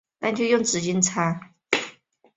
该台主要内容有新闻评论和音乐节目。